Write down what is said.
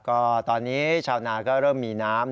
ก็ตอนนี้ชาวนาก็เริ่มมีน้ำ